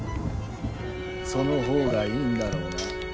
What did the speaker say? そのほうがいいんだろうな。